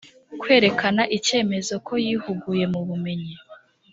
kwerekana icyemezo ko yihuguye mu bumenyi